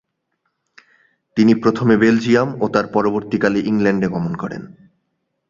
তিনি প্রথমে বেলজিয়াম ও তার পরবর্তীকালে ইংল্যান্ড -এ গমন করেন।